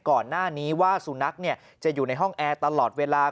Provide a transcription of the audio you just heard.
ก่อนหน้านี้ว่าสุนัขจะอยู่ในห้องแอร์ตลอดเวลา